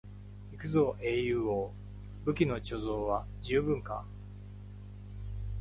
行くぞ英雄王、武器の貯蔵は十分か？